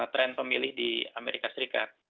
tren pemilih di amerika serikat